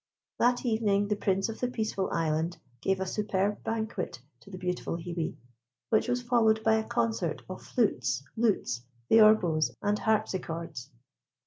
That evening, the Prince of the Peaceful Island gave a superb banquet to the beautiful Hebe, which was followed by a concert of flutes, lutes, theorbos and harpsichords.